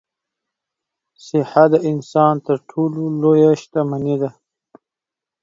صحه د انسان تر ټولو لویه شتمني ده.